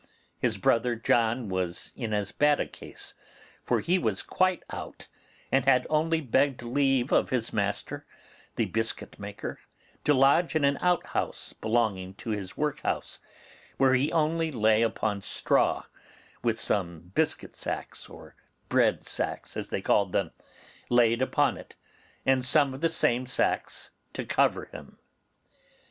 His brother John was in as bad a case, for he was quite out, and had only begged leave of his master, the biscuit maker, to lodge in an outhouse belonging to his workhouse, where he only lay upon straw, with some biscuit sacks, or bread sacks, as they called them, laid upon it, and some of the same sacks to cover him.